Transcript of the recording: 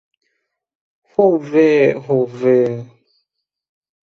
Ho ve! Ho ve.